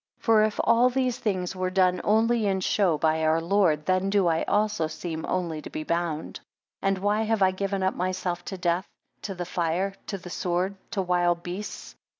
4 For if all these things were done only in show by our Lord, then do I also seem only to be bound: 5 And why have I given up myself to death, to the fire, to the sword, to wild beasts?